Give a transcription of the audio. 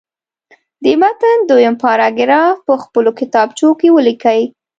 د متن دویم پاراګراف په خپلو کتابچو کې ولیکئ.